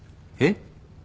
えっ？